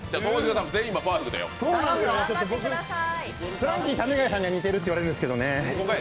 フランキー為谷さんには似てるって言われるんですけどね